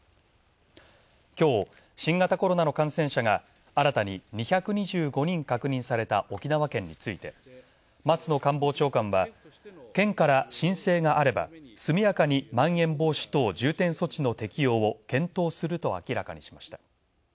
今日、新型コロナの感染者が新たに２２５人確認された沖縄県について松野官房長官は、県から申請があれば速やかに、まん延防止等重点措置の適用を検討すると明らかにしました。